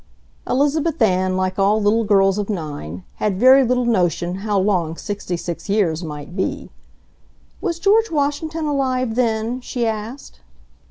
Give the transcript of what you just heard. Elizabeth Ann, like all little girls of nine, had very little notion how long sixty six years might be. "Was George Washington alive then?" she asked.